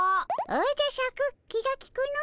おじゃシャク気がきくの。